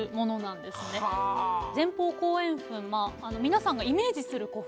前方後円墳皆さんがイメージする古墳